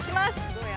どうや？